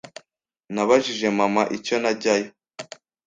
Nabajije mama icyo najyayo.